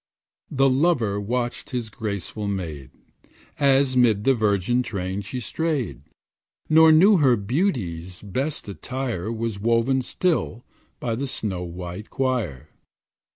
The lover watched his graceful maid, As 'mid the virgin train she strayed, Nor knew her beauty's best attire Was woven still by the snow white choir.